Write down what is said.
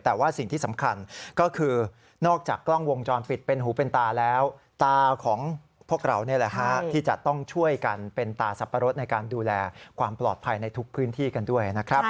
แต่ว่าสิ่งที่สำคัญก็คือนอกจากกล้องวงจรปิดเป็นหูเป็นตาแล้วตาของพวกเรานี่แหละฮะที่จะต้องช่วยกันเป็นตาสับปะรดในการดูแลความปลอดภัยในทุกพื้นที่กันด้วยนะครับ